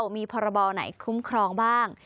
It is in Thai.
มีพรบไหนคุ้มครองบ้าง